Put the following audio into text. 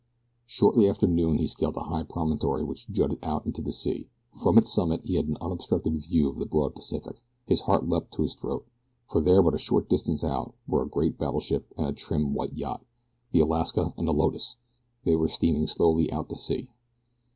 Shortly after noon he scaled a high promontory which jutted out into the sea. From its summit he had an unobstructed view of the broad Pacific. His heart leaped to his throat, for there but a short distance out were a great battleship and a trim white yacht the Alaska and the Lotus! They were steaming slowly out to sea.